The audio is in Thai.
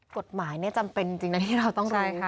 กฎหมายจำเป็นจริงนะที่เราต้องร้อง